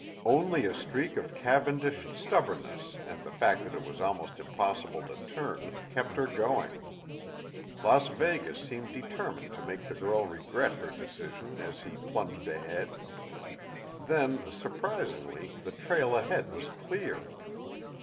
Only a streak of Cavendish stubbornness, and the fact that it was almost impossible to turn, kept her going. Las Vegas seemed determined to make the girl regret her decision as he plunged ahead. Then, surprisingly, the trail ahead was clear.